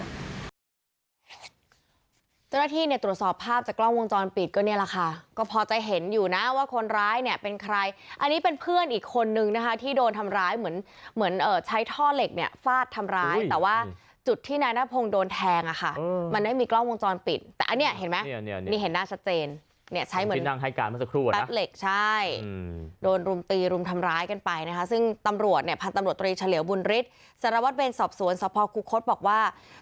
เจ้าหน้าที่เนี่ยตรวจสอบภาพจากกล้องวงจรปิดก็เนี่ยแหละค่ะก็พอจะเห็นอยู่นะว่าคนร้ายเนี่ยเป็นใครอันนี้เป็นเพื่อนอีกคนนึงนะคะที่โดนทำร้ายเหมือนเหมือนเอ่อใช้ท่อเหล็กเนี่ยฟาดทำร้ายแต่ว่าจุดที่นายนาภงโดนแทงอะค่ะมันไม่มีกล้องวงจรปิดแต่อันเนี่ยเห็นไหมนี่เห็นหน้าชัดเจนเนี่ยใช้เหมือนที่นั่